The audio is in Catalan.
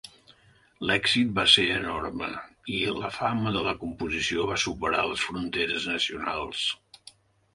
L'èxit va ser enorme i la fama de la composició va superar les fronteres nacionals.